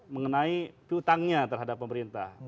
mengenai hutangnya terhadap pemerintah